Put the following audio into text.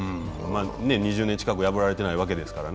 ２０年近く破られていないわけですからね。